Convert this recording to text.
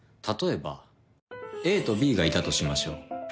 例えばＡとＢがいたとしましょう。